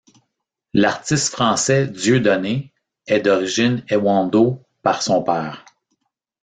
L'artiste français Dieudonné est d'origine Ewondo par son père.